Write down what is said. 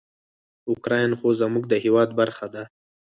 اوکراین خو زموږ د هیواد برخه ده.